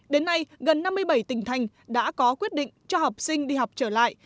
đến nay gần năm mươi bảy tỉnh thành đã có quyết định cho học sinh đi học trở lại